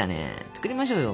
作りましょうよ。